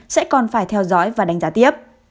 sẽ còn phải theo dõi và đánh giá tiếp